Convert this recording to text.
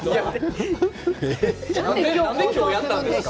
なんで今日やったんですか。